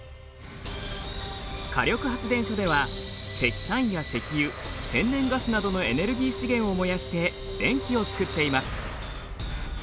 火力発電所では石炭や石油天然ガスなどのエネルギー資源を燃やして電気を作っています。